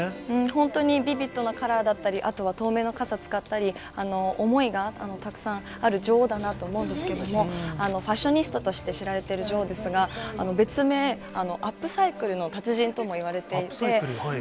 本当にビビットなカラーだったり、あとは透明な傘使ったり、思いがたくさんある女王だなと思うんですけれども、ファッショニスタとして知られている女王ですが、別名、アップサイクルの達人ともいわれていて。